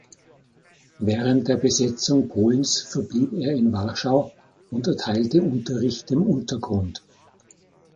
Während der Besetzung Polens verblieb er in Warschau und erteilte Unterricht im Untergrund.